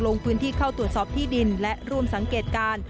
ลงพื้นที่เข้าตรวจสอบที่ดินและร่วมสังเกตการณ์